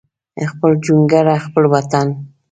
خپل جونګړه خپل وطن